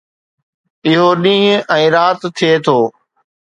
اهو ڏينهن ۽ رات ٿئي ٿو